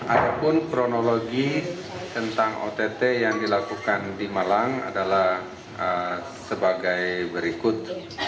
ada pun kronologi tentang ott yang dilakukan di malang adalah sebagai berikut